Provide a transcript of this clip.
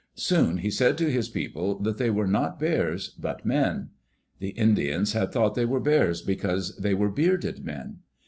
Soon he said to his people that they were not bears, but men. The Indians had thought they were bears because they were bearded men.